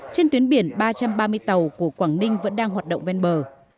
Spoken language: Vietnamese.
trên tuyến biển ba trăm ba mươi tàu của quảng ninh vẫn đang hoạt động ven bờ